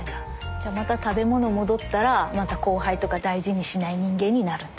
じゃあまた食べ物戻ったらまた後輩とか大事にしない人間になるんだ。